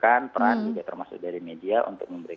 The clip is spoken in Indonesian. dan ini juga dibutuhkan peran juga termasuk dari media untuk membukakan